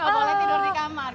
nggak boleh tidur di kamar